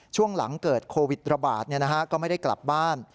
ช่วงหลังเกิดโควิดระบาดก็ไม่ได้กลับบ้าน